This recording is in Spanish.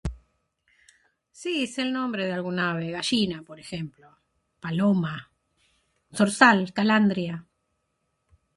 Sí, sé el nombre de algún ave, gallina, por ejemplo, paloma, ¡zorzal, calandria!